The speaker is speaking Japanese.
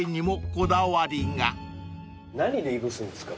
何でいぶすんですか？